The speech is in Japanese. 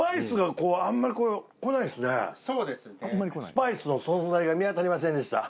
スパイスの存在が見当たりませんでした。